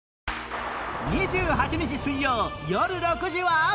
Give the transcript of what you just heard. ２８日水曜よる６時は